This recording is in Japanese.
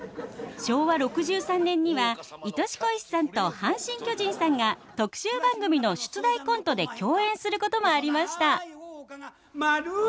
昭和６３年にはいとし・こいしさんと阪神・巨人さんが特集番組の出題コントで共演することもありましたまる